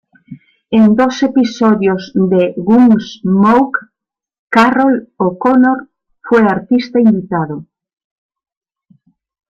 En dos episodios de "Gunsmoke", Carroll O'Connor fue artista invitado.